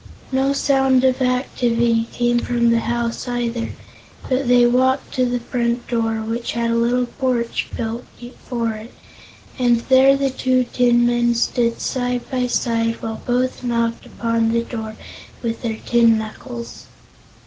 No sound of activity came from the house, either, but they walked to the front door, which had a little porch built before it, and there the two tinmen stood side by side while both knocked upon the door with their tin knuckles.